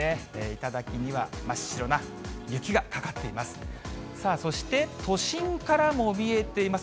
頂には真っ白な雪がかかっています。